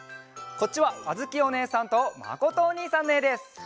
こっちはあづきおねえさんとまことおにいさんのえです。